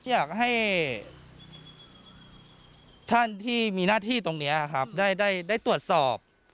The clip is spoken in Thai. อยากให้ท่านที่มีหน้าที่ตรงนี้ครับได้ตรวจสอบ